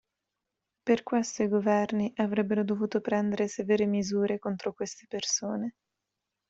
Per questo i governi avrebbero dovuto prendere severe misure contro queste persone.